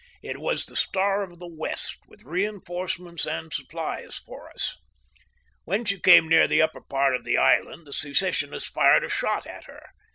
It was the Star of the West, with reinforcements and supplies for us. When she came near the upper part of the island the secessionists fired a shot at her.